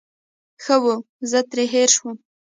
ښه وو، زه ترې هېر شوم.